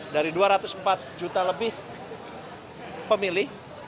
dari dua ratus empat juta lebih pemilih